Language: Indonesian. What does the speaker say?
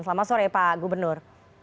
selamat sore pak gubernur